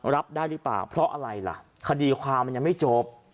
รับได้หรือเปล่าเพราะอะไรล่ะคดีความมันยังไม่จบ